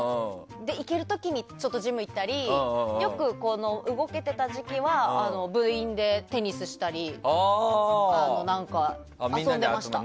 行ける時にちょっとジム行ったりよく動けていた時期はアナウンス部でテニスをしたり遊んでました。